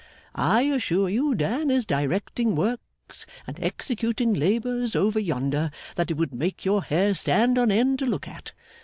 I assure you Dan is directing works and executing labours over yonder, that it would make your hair stand on end to look at.